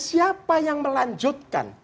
siapa yang melanjutkan